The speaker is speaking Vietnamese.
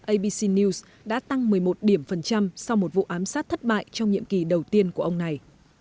abc news đã tăng một mươi một điểm phần trăm sau một vụ ám sát thất bại trong nhiệm kỳ đầu tiên của ông này